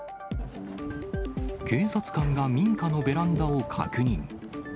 警察官が民家のベランダを確認。